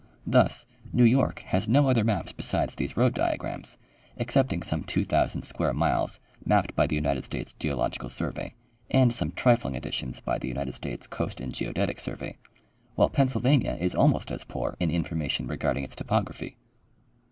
Thus, New York has no other maps besides these road diagrams, excepting some 2,000 square miles mapped by the United States Geological survey and some trifling additions by the United States Coast and Geodetic survey, while Pennsylvania is almost as poor in information regarding its topography.